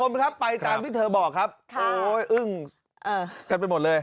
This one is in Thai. คุณผู้ชมครับไปตามที่เธอบอกครับโอ้ยอึ้งกันไปหมดเลย